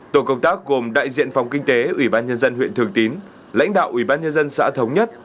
tổ công tác gồm đại diện phòng kinh tế ubnd huyện thường tín lãnh đạo ubnd xã thống nhất